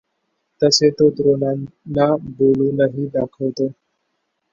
तसे तो द्रोणांना बोलूनही दाखवतो.